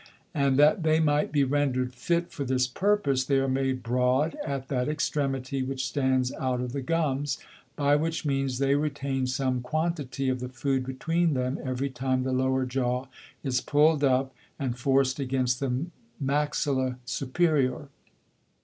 And that they might be render'd fit for this purpose, they are made broad at that Extremity, which stands out of the Gums, by which means they retain some Quantity of the Food between them every time the lower Jaw is pulled up and forc'd against the Maxilla superior.